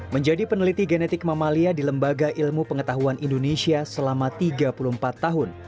menjadi peneliti genetik mamalia di lembaga ilmu pengetahuan indonesia selama tiga puluh empat tahun